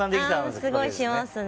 すごいしますね。